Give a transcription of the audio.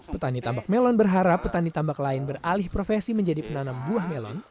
petani tambak melon berharap petani tambak lain beralih profesi menjadi penanam buah melon